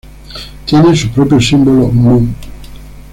Tiene su propio símbolo Mu.